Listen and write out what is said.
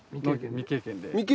未経験で？